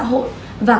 và có những nơi